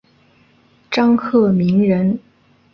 张鹤鸣人。